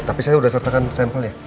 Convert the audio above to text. tapi saya udah sertakan sampel ya